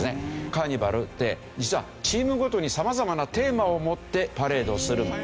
カーニバルって実はチームごとに様々なテーマを持ってパレードをするんですよ。